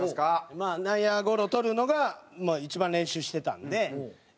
まあ内野ゴロ捕るのが一番練習してたんで。